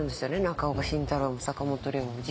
中岡慎太郎も坂本龍馬も。